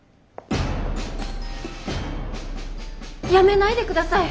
辞めないでください！